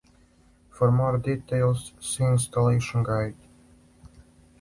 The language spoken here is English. For more details, see the Installation Guide.